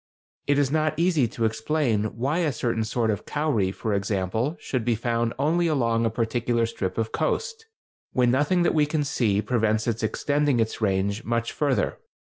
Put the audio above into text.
It is not easy to explain why a certain sort of cowry, for example, should be found only along a particular strip of coast, when nothing that we can see prevents its extending its range much further.